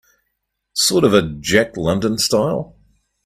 Sort of a Jack London style?